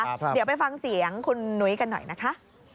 เดี๋ยวไปฟังเสียงคุณนุ้ยกันหน่อยนะคะ